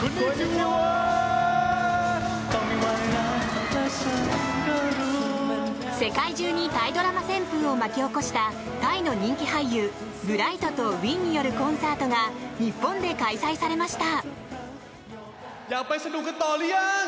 東京海上日動世界中にタイドラマ旋風を巻き起こしたタイの人気俳優ブライトとウィンによるコンサートが日本で開催されました。